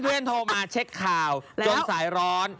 เพื่อนโทรมาเช็คข่าวจนสายร้อน